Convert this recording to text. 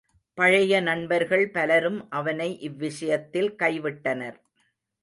பழைய நண்பர்கள் பலரும் அவனை இவ்விஷயத்தில் கைவிட்டனர்.